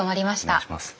お願いします。